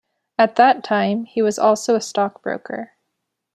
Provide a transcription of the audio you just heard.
At that time, he was also a stockbroker.